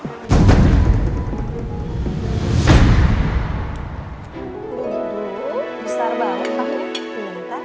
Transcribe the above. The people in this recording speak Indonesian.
uuuuh besar banget pak